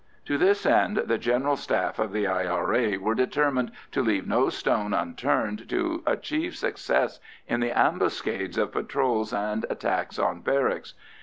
To this end the General Staff of the I.R.A. were determined to leave no stone unturned to achieve success in the ambuscades of patrols and attacks on barracks.